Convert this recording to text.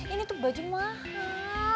ini tuh baju mahal